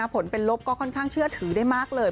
ผลเป็นลบก็ค่อนข้างเชื่อถือได้มากเลย